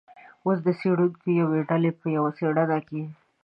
اوس د څیړونکو یوې ډلې په یوه څیړنه کې